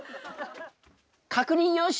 確認よし！